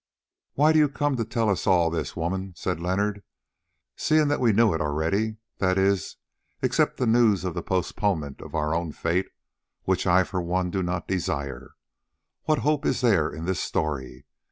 "Why do you come to tell us all this, woman?" said Leonard, "seeing that we knew it already—that is, except the news of the postponement of our own fate, which I for one do not desire. What hope is there in this story?